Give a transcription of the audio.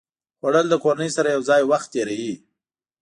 خوړل د کورنۍ سره یو ځای وخت تېروي